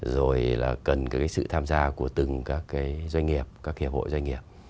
rồi là cần cái sự tham gia của từng các cái doanh nghiệp các hiệp hội doanh nghiệp